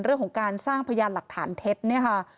เรื่องของการสร้างพยานหลักฐานเท็จ